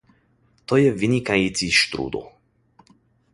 To je vynikající štrůdl.